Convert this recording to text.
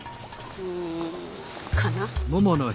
うんかな？